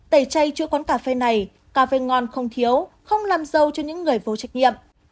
tẩy chay chữa quán cà phê này cà phê ngon không thiếu không làm dâu cho những người vô trách nhiệm